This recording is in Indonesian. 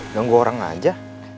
ganggu orang aja